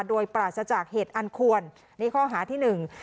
โดยปราศจากเหตุอันควรในข้อหาที่๑